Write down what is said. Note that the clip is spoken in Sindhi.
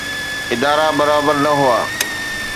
ادارا برابر نه هئا.